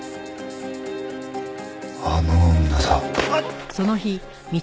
あの女だ。